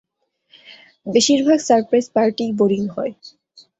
বেশিরভাগ সারপ্রাইজ পার্টিই বোরিং হয়।